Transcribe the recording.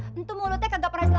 tentu mulutnya gak pernah selesai